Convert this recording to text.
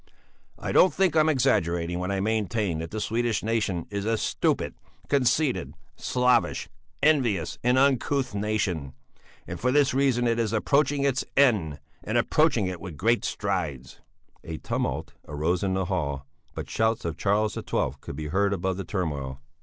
"I don't think I'm exaggerating when I maintain that the Swedish nation is a stupid, conceited, slavish, envious, and uncouth nation. And for this reason it is approaching its end, and approaching it with giant strides." A tumult arose in the hall, but shouts of Charles XII could be heard above the turmoil.